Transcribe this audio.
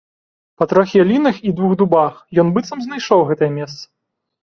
Па трох ялінах і двух дубах ён быццам знайшоў гэтае месца.